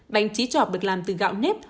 bánh trí trọt được làm từ gạo nếp